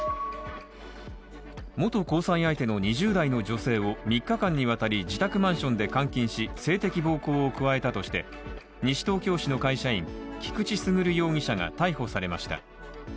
元交際相手の２０代の女性を３日間にわたり自宅マンションで監禁し性的暴行を加えたとして西東京市の会社員、菊地優容疑者が逮捕されました。